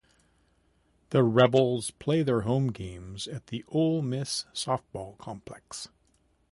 The Rebels play their home games at the Ole Miss Softball Complex.